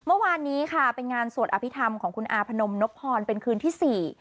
เมื่อวานนี้เป็นงานสวดอภิทำของคุณอพนมนพรเป็นคืนที่๔